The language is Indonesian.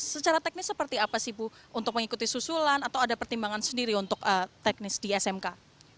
secara teknis seperti apa sih bu untuk mengikuti susulan atau ada pertimbangan sendiri untuk teknis di smk